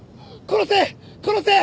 殺せ！